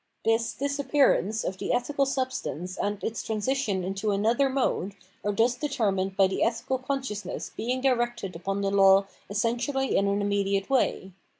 This disappearance of the ethical substance and its transition into another mode are thus determined by the ethical consciousness being directed upon the law essentially in an immediate way.